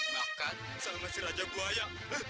makan sama si raja buaya